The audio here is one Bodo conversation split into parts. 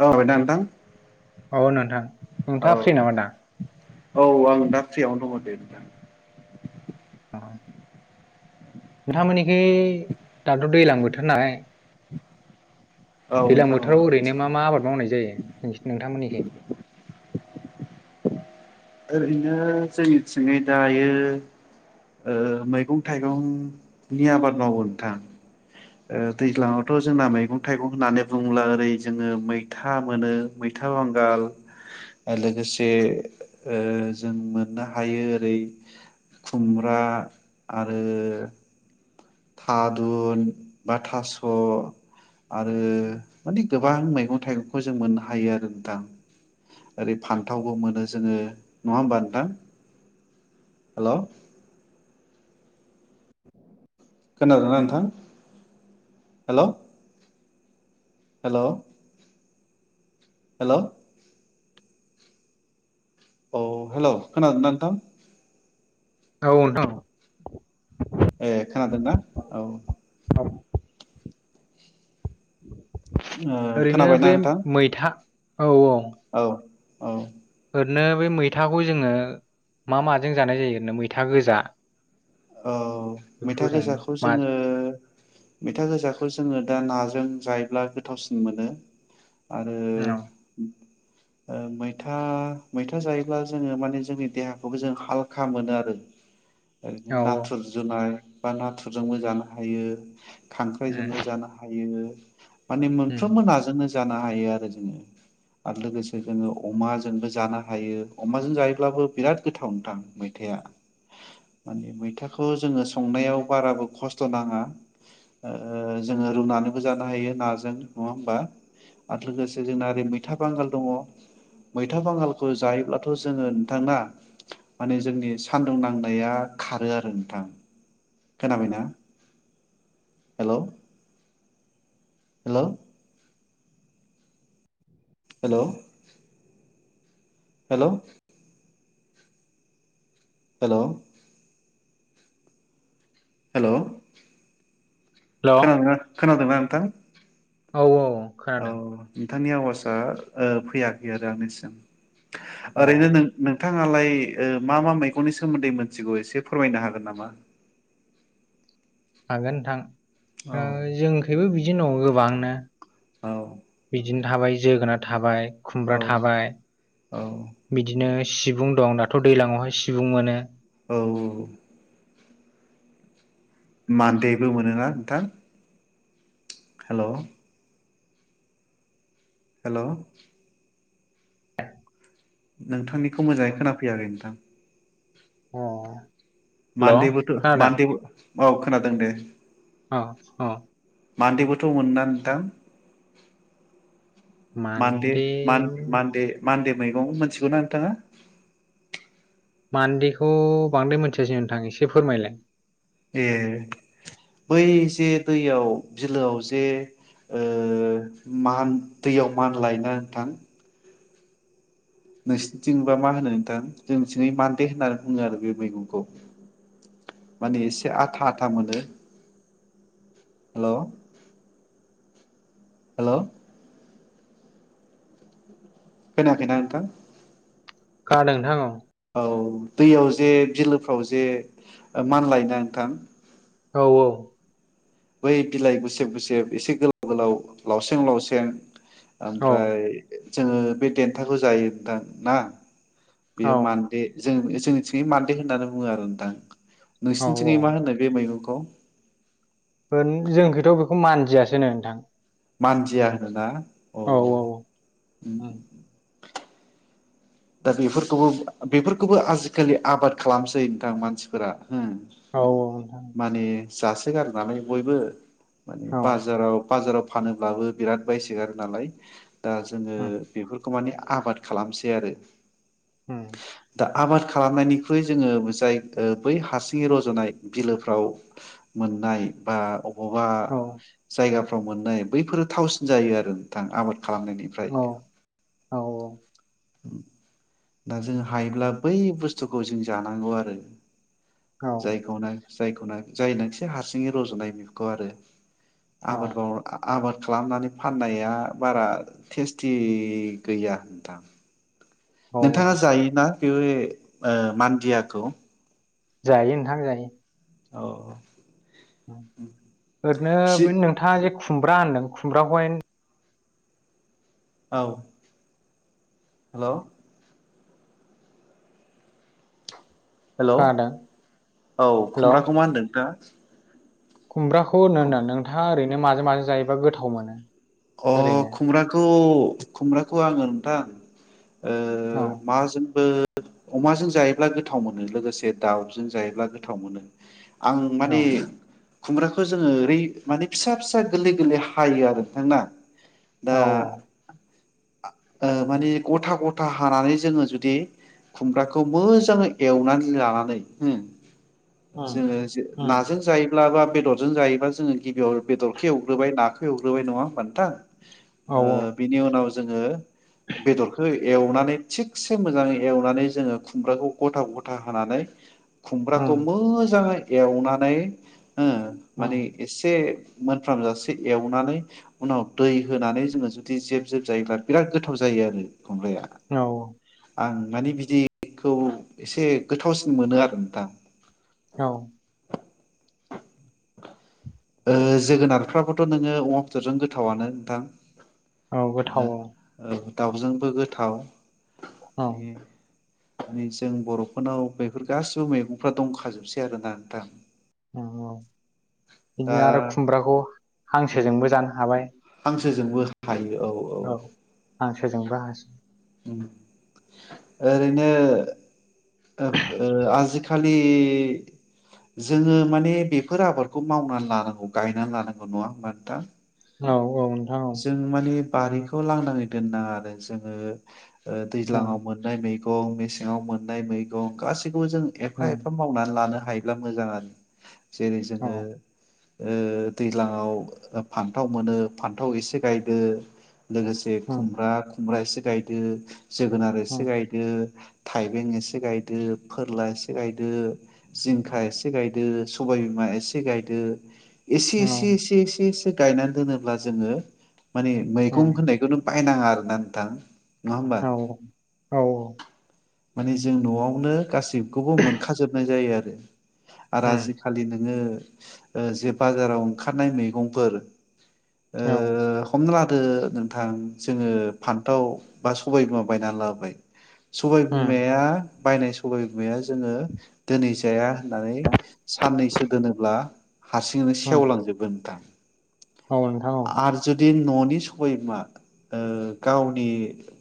औ [unintelligible] औ औ औ नोंथां नोंथाङा फ्रि नामा दा आं दा [unintelligible] अ नोंथांमोननिखै दाथ दैज्लां बोथोर नाय नोंथां औ दैज्लां नोंथां औ बोथोराव ओरैनो मा मा आबाद मावनाय जायो नों नोंथांमोननिखो? ओरैनो जोंनिथिङै दायो ओ मैगं थाइगंनि आबाद मावो नोंथां। ओ दैज्लाङावथ जोंना मैगं थाइगं होननानै बुङोब्ला ओरै जोङो मैथा मोनो मै था बांगाल लोगोसे ओ जों मोननो हायो ओरै खुमब्रा आरो थादुन बा थास' आरो माने गोबां मैगं थाइगंखौ जों मोननो हायो आरो नोंथां। ओरै फान्थावबो मोनो जोङो नङा होमबा नोंथां? हेल' खोनादोना नोंथां हेल'? हेल' हेलौ औ हेलौ खोनादोंना नोंथां? औ नोंथां ए खोनादोंना औ औ ओ ओरैनो खोनाबायना बे नोंथां मैथा औ औ । औ औ । ओरैनो बे मैथाखौ जोङो मा माजों जानाय जायो ओरैनो मैथा गोजा औ बेफोरखौ मैथा जों गोजाखौ मा जोङो मैथा गोजाखौ जोङो दा नाजों जायोब्ला गोथावसिन मोनो आरो औ मैथा मैथा जायोब्ला जोङो माने जोंनि देहाखौबो जों हालखा मोनो आरो । [inaudible] औ नाथुर जुनाय बा नाथुरजोंबो जानो हायो । उम खांख्राइजोंबो जानो हायो माने उम मोनफ्रोमबो नाजोंनो जानो हायो आरो जोङो । आरो लोगोसे जोङो अमाजोंबो जानो हायो अमाजों जायोब्लाबो बिराद गोथाव नोंथां मैथा या [inaudible] मानि मैथाखौ जोङो संनायाव बाराबो खस्थ नाङा । ओ जोङो रुनानैबो जानो हायो नाजों नङा होमबा? आरो लोगोसे जोंना ओरै मैथा बांगाल दङ । मैथा बांगालखौ जायोब्लाथ जोङो नोंथां ना माने जोंनि सान्दुं नांनाया खारो आरो नोंथां खोनाबायना? हेल' । हेल' । हेल' । हेल' । हेल' । हेल' हेलौ खोनादोंना खोनादोंना नोंथां? औ औ । औ नोंथांनि आवाजआ ओ फैयाखै आरो आंनिसिम । अ ओरैनो नो-नोंथां आलाय ओ मा मा मैगंनि सोमोन्दै मिथिगौ एसे फोरमायनो हागोन नामा? हागोन औ नोंथां ओ जोंखैबो बिदिनो दं गोबांनो । औ । थाबाय जोगोनार थाबाय खुमब्रा थाबाय औ बिदिनो सिबुं दं दाथ' दैलांआवहाय सिबुं मोनो । औ औ । मान्देबो मोनोना नोंथां हेल' । हेल' । नोंथांनिखौ मोजाङै खोनाफैयाखै नोंथां । हेल' मान्देबोथ' खोनादों मान्देबो औ खोनादों दे । अ अ मान्देबोथ' मोनोना नोंथां? मानदे मान्दे मान-मानदे मानदे मैगं मोनथिगौना नोंथाङा? मान्देखौ बांद्राय मोनथियासै नोंथां एसे फोरमायलाय । ए बै जे दैयाव बिलोआव जे ओ मान दैयाव मानलायोना नोंथां । नोंसोरनिथिंबा मा होनो नोंथां जोंथिङै मान्दे होननानै बुङो आरो बे मैगंखौ । मानि एसे आथा आथा मोनो । हेल' हेल' । खोनायाखैना नोंथां? खोनादों नोंथां औ । औ दैयाव जे बिलोफ्राव जे मानलायो ना नोंथां । औ औ । बै बिलाइ गुसेब गुसेब एसे गोलाव गोलाव लावसेें लावसेें । ओमफ्राय जोङो बे देन्थाखौ जायो नोंथां ना । औ बेयो मान्दे जों जोंनिथिङै मान्दे होननानै बुङो आरो नोंथां। औ नोंसिनिथिङै मा होनो बे मैगंखौ? ओं जोंखैथ' बेखौ मानदियासो होनो नोंथां। मानदिया होनोना अ' औ ओम औ दा बेफोरखौबो बेफोरखौबो आजिखालि आबाद खालामसै नोंथां मानसिफोरा हो औ औ नोंथां माने जासोगारो नालाय बयबो माने औ बाजाराव बाजाराव फानोब्लाबो बिराद बायसोगारो नालाय दा जोङो औ बेफोरखौ माने आबाद खालामसै आरो होम दा आबाद खालामनायनिख्रुइ जोङो जाय ओ बै हारसिङै रज'नाय बिलोफ्राव मोननाय बा बबावबा औ जायगाफ्राव मोननाय बैफोरो थावसिन जायो आरो नोंथां आबाद खालामनायनिफ्राय औ दा जों हायोब्ला बै बुस्थुखौ जों जानांगौ आरो औ जायखौनो जायखौनो जायनोसो हारसिङै रज'नाय बेखौ आरो आबाद मावो आबाद खालामनानै फाननाया बारा टेस्टि गैया नोंथां। औ नोंथाङा जायोना बे ओ मान्दियाखौ जायो नोंथां जायो। औ ओरैनो सि बे नोंथाङा जे खुमब्रा होनदों खुमब्राखौहाय औ हेलौ हेल'औ खोनादों हेल' खुमब्राखौ मा होनदों नोंथाङा? खुमब्राखौ होनो होदो आं नोंथाङा ओरैनो माजो माजो जायोबा गोथाव मोनो? अ ओरैनो खुमब्राखौ खुमब्राखौ आङो नोंथां ओ औ माजोंबो अमाजों जायोब्ला गोथाव मोनो लोगोसे दाउजों जायोब्ला गोथाव मोनो। आं औ माने खुमब्राखौ जोङो ओरै माने फिसा फिसा गोरलै गोरलै हायो आरो नोंथां ना दा औ ओ माने गथा गथा हानानै जोङो जुदि खुमब्राखौ मोजाङै एवनानै लानानै ओम उम जोङो जे उम नाजों जायोब्ला बा बेदरजों जायोबा जोङो गिबियाव बेदरखौ एवग्रोबाय नाखौ एवग्रोबाय नङा होनबा नोथां? औ ओ बिनि उनाव जोङो बेदरखौ एवनानै थिगसे मोजाङै एवनानै जोङो खुमब्राखौ गथा गथा हानानै उम खुमब्राखौ मोजाङै एवनानै हो उम माने एसे मोनफ्रामजासे एवनानै उनाव दै होनानै जोङो जुदि जेब जेब जायोब्ला बिराद गोथाव जायो आरो खुम्ब्राया औ आं माने बिदिखौ एसे गोथावसिन मोनो आरो नोंथां। औ [inaudible] ओ जोगोनारफ्राबोथ' नोङो अमा बेदरजों गोथावानो नोंथां औ गोथाव ओ औ औ दाउजोंबो गोथाव। औ मानि जों बर'फोरनाव बेफोर गासिबो मैगंफ्रा दंखाजोबसै आरोना नोंथां अ अ दा बिदिनो आरो खुमब्राखौ हांसोजोंबो जानो हाबाय। हांसोजोंबो हायो औ औ हांसोजोंबो हासो ओरैनो आजिखालि जोङो माने बेफोर आबादखौ मावनानै लानांगौ गायनानै लानांगौ नङा होमबा नोंथां औ औ नोंथां औ। जों माने बारिखौ लांदाङै दोननाङा आरो जोङो औ दैज्लाङाव मोननाय मै मैगं मेसेङाव मोननाय मैगं गासैखौबो जों एफा उम एफा मावनानै लानो हायो हायोब्ला मोजां आरो जेरै औ जोङो ओ दैज्लाङाव फान्थाव मोनो फान्थाव एसे गायदो लोगोसे उम खुमब्रा खुमब्रा एसे गायदो जोगोनार उम एसे गायदो थाइबें एसे गाय गायदो फोरला एसे गायदो जिंखा एसे गायदो सबायबिमा एसे गायदो एसे औ उम औ एसे एसे एसे एसे गायनानै दोनोब्ला जोङो मानि मैगं होननायखौनो बाय बायनााङा आरोना नोंथां नङा होमबा औ माने जों न'आव नो गासिखौबो मोनखा जोबनाय जायो आरो आरो उम आजिखालि नोङो ओ जे बाजाराव ओंखारनाय मैगंफोर ओ औ हमना ला दो नोंथां जोङो फान्थाव बा सबाय बिमा बायनानै लाबोबाय सबाय उम बिमाया बायनाय सबाय बिमाया जोङो दिनै जाया होननानै साननैसो दोनोब्ला हारसिङैनो उम सेवलांजोबो नोंथां औ नोंथां औ आरो जुदि न'नि सबाय बिमा ओ गावनि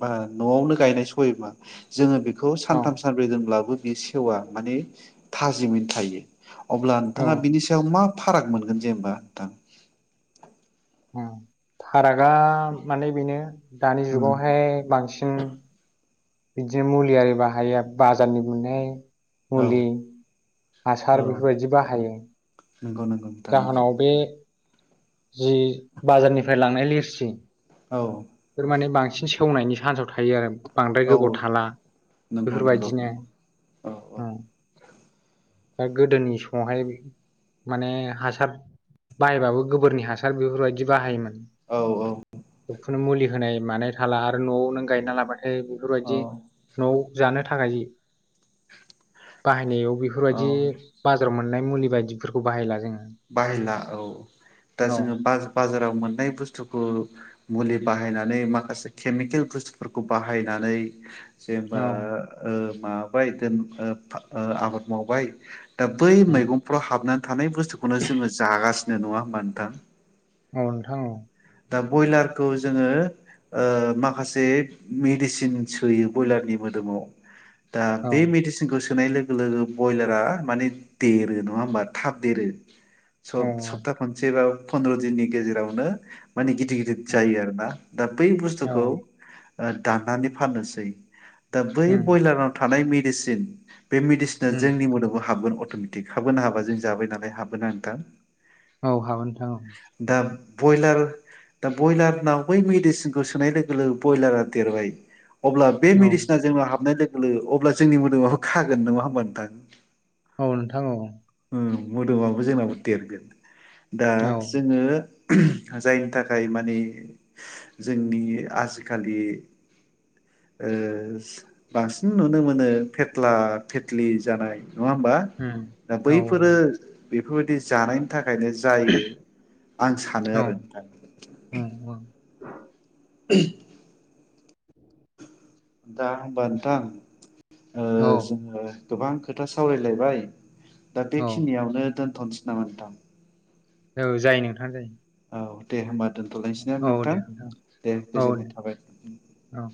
बा न'आवनो गायनाय सबाय बिमा जोङो बेखौ औ सानथाम सानब्रै दोनब्लाबो बे सेवा माने थाजिमैनो थायो अब्ला औ नोंथाङा बिनि सायाव मा फाराग मोनगोन जेनेबा नोंथां। फारागा माने बेनो दानि उम जुगावहाय बांसिन बिदिनो मुलि आरि बाहायो बाजारनि मोननाय औ मुलि हासार बेफोरबायदि बाहायो नोंगौ नोंगौ नोंथां नोंगौ जाहोनाव बे जि बाजारनिफ्राय लांनाय लिरसि औ इफोरमाने बांसिन सेवनायनि चान्सआव थायो आरो। बांद्राय गोबाव औ थाला नंगौ नंगौ बेफोरबायदिनो औ ओ दा गोदोनि समावहाय माने हासार बाहायबाबो गोबोरनि हासार बेफोरबायदि बाहायोमोन औ बेखौनो मुलि होनाय मानाय थाला आरो नआव नों गायना लाबा थाय औ औ बेफोरबायदि नआव जानो थाखाय बाहायनायाव औ बेफोरबायदि बाजाराव मोननाय मुलि बायदिफोरखौ बाहायला जोङो बाहायला औ दा औ जोङो बाज बाजाराव मोननाय बुस्थुखौ मुलि बाहायनानै माखासे केमिकेल बुस्थुफोरखौ बाहायनानै जेनेबा औ ओ माबाबाय दोन ओ आबाद मावबाय दा बै उम मैगंफ्राव हाबनानै थानाय बुस्थुखौनो जोङो जागासिनो नङा होमबा नोंथां औ नोंथां औ दा ब्रयलारखौ जोङो ओ माखासे मेडिसिन सोयो ब्रयलारनि मोदोमाव दा औ बे मेदिसिनखौ सो सोनाय लोगो लोगो बयलारा माने देरो नङा होमबा थाब देरो स औ सप्ता खनसे बा फन्द्र दिननि गेजेरावनो माने गिदिर गिदिर उम जायो आरो ना दा बै औ बुस्थुखौ दाननानै फाननोसै दा बै उम बयलाराव थानाय मेडिसिन बे मेडिसिना उम जोंनि मोदोमाव हाबगोन अटमेटिक हाबगोनना हाबा जों जाबाय नालाय हाबोना नोंथां औ हाबो नोंथां औ दा बयलार दा बयलारनाव बै मेडिसिनखौ सोनाय लोगो लोगो बयलारा देरबाय अब्ला बे औ मेडिसिना जोंनाव हाबनाय लोगो लोगो अब्ला जोंनि मोदोमाबो खागोन नङा होमबा नोंथां औ नोंथां औ औ मोदोमाबो जोंनाबो देरगोन दा औ जोङो जायनि थाखाय माने जोंनि आजिखालि ओ बांसिन नुनो मोनो फेथ्ला फेथलि जानाककधय नङा होमबा उम दा औ बैफोरो बेफोरबायदि जानाय नि थाखायनो जायो आं सानो औ आरो नोंथां उम [inaudible] दा होमबा नोंथां ओ औ जोङो गोबां खोथा सावरायलायबाय दा औ बेखिनियावनो दोनथनोसै नाम नोंथां ओ जायो नोंथां जायो औ दे होनबा दोनथलायसैना औ दे नोंथां दे औ दे गोजोननाय थाबाय औ